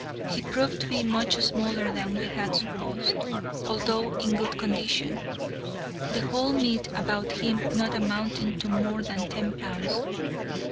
He proved to be much smaller than we had supposed, although in good condition,—the whole meat about him not amounting to more than ten pounds.